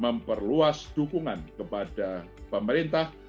memperluas dukungan kepada pemerintah